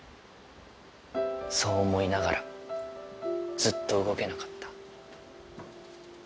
そう思いながらずっと動けなかった。